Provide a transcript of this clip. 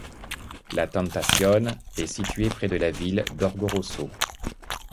La Tentación est située près de la ville d'Orgoroso.